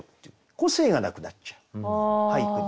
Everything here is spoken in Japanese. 個性がなくなっちゃう俳句に。